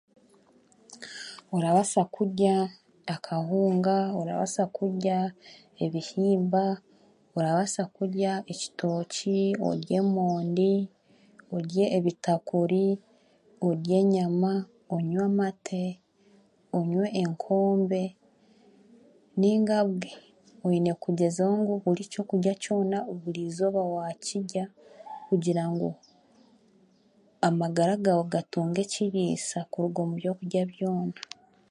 Orabaasa kurya akahunga orabaaasa kurya ebihimba orabaasa kurya ekitooki, orye emondi ,orye ebitakuri, orye enyama, onywe amate, onywe enkombe nainga bwe oine kugyezaho ngu buri kyokurya kyona buri eizooba waakirya kugira ngu amagara gaawe gatunge ekiriisa kuruga omu byokurya byona.